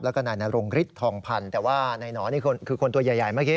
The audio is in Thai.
แล้วก็นายนรงฤทธิทองพันธ์แต่ว่านายหนอนี่คือคนตัวใหญ่เมื่อกี้